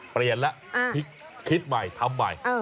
เปลี่ยนแล้วคิดใหม่ทำใหม่